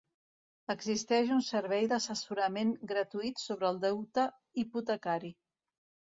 Existeix un servei d'assessorament gratuït sobre el deute hipotecari: